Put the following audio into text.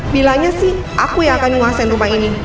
bilanya sih aku yang akan menguasai rumah ini